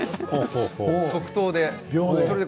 即答で、秒。